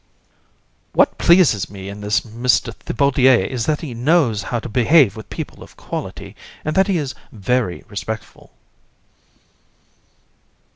COUN. What pleases me in this Mr. Thibaudier is that he knows how to behave with people of my quality, and that he is very respectful.